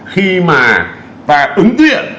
khi mà ta ứng tuyện